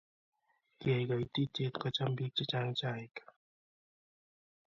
kiyai kaititye kocham biik chechang' chaik